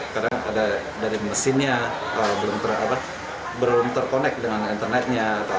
kadang ada dari mesinnya belum terkonek dengan internetnya